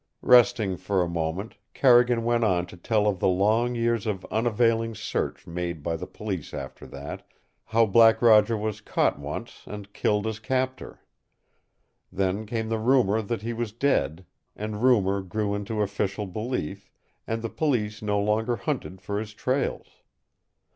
Resting for a moment, Carrigan went on to tell of the long years of unavailing search made by the Police after that; how Black Roger was caught once and killed his captor. Then came the rumor that he was dead, and rumor grew into official belief, and the Police no longer hunted for his trails.